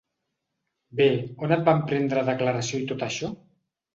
Bé, on et van prendre declaració i tot això?